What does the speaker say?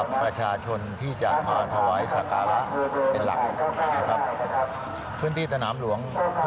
หลอกคะตอนนี้เราได้มีการเพิ่มเติมมาตรการอะไรอย่างไรบ้างไหมคะ